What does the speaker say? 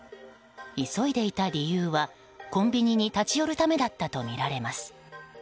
急いでいた理由はコンビニに立ち寄るためだったとみられます。